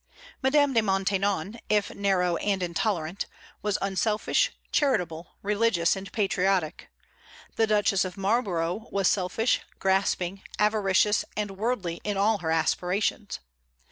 Madame de Maintenon, if narrow and intolerant, was unselfish, charitable, religious, and patriotic; the Duchess of Marlborough was selfish, grasping, avaricious, and worldly in all her aspirations.